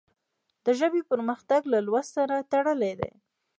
د ژبې پرمختګ له لوست سره تړلی دی.